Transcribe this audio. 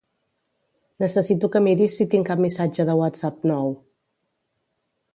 Necessito que miris si tinc cap missatge de Whatsapp nou.